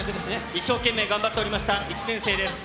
一生懸命頑張っておりました、１年生です。